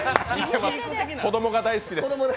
子供が大好きです！